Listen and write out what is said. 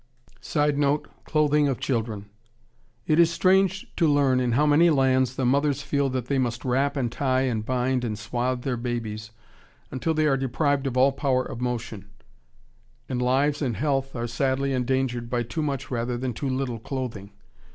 [Sidenote: Clothing of children.] It is strange to learn in how many lands the mothers feel that they must wrap and tie and bind and swathe their babies until they are deprived of all power of motion, and lives and health are sadly endangered by too much rather than too little clothing.